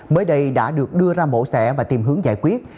mới đây đã được đưa ra mổ xẻ và tìm hướng giải quyết